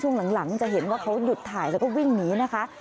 ช่วงหลังจะเห็นว่าเขาหยุดถ่ายแล้วก็วิ่งหนีนะคะ